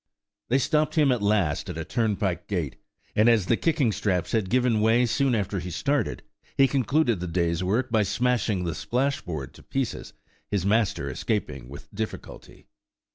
They stopped him at last at a turnpike gate, and as the kicking straps had given way soon after he started, he concluded the day's work by smashing the splashboard to pieces, his master escaping with difficulty.